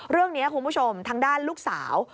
เรื่องนี้คุณผู้ชมทางด้านลูกสาว